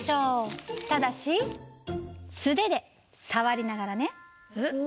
ただし素手でさわりながらね。